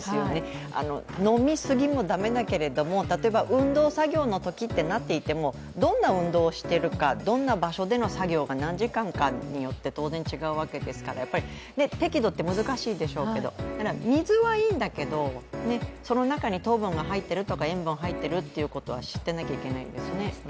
飲みすぎも駄目だけれども例えば運動・作業のときってなっていてもどんな運動をしているか、どんな場所での作業が何時間かによって当然違うわけですから適度って難しいですけど水はいいですけどその中に糖分が入ってるとか塩分が入ってるっていうことは知ってなきゃ駄目ですね。